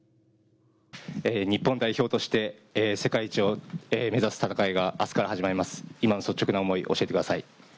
日本代表として、世界一を目指す戦いが明日から始まります、今の率直な思い教えてください。